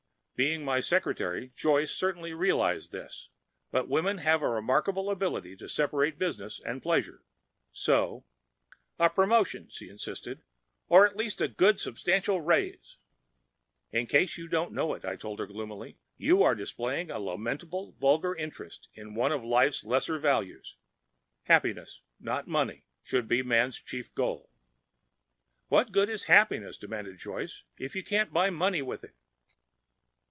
Being my secretary, Joyce certainly realized this. But women have a remarkable ability to separate business and pleasure. So: "A promotion," she insisted. "Or at least a good, substantial raise." "In case you don't know it," I told her gloomily, "you are displaying a lamentably vulgar interest in one of life's lesser values. Happiness, not money, should be man's chief goal." "What good is happiness," demanded Joyce, "if you can't buy money with it?"